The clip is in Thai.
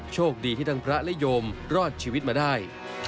โชคดีที่ทั้งพระและโยมรอดชีวิตมาได้